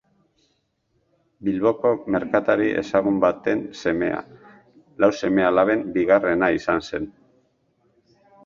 Bilboko merkatari ezagun baten semea, lau seme-alaben bigarrena izan zen.